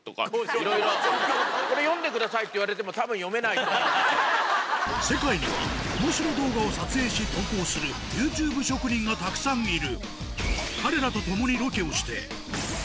いろいろあって、これ読んでくださいって言われてもたぶん読めな世界には、おもしろ動画を撮影し投稿する、ＹｏｕＴｕｂｅ職人がたくさんいる。